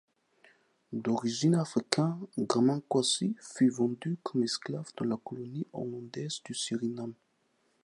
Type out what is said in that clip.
D'origine africaine, Graman Quassi fut vendu comme esclave dans la colonie hollandaise du Suriname.